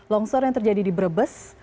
longsor yang terjadi di brebes